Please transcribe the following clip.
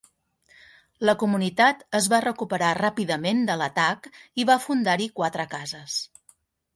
La comunitat es va recuperar ràpidament de l'atac i va fundar-hi quatre cases.